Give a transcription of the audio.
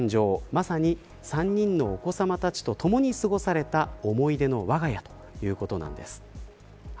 まさに３人のお子さまたちとともに過ごされた思い出のわが家ということなんです。